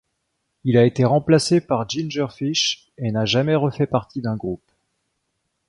Il a été remplacé par Ginger Fish et n'a jamais refait partie d'un groupe.